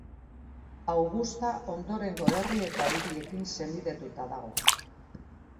Augusta ondorengo herri eta hiriekin senidetuta dago.